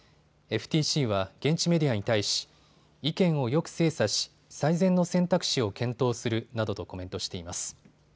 ＦＴＣは現地メディアに対し意見をよく精査し、最善の選択肢を検討するなどとコメントしています。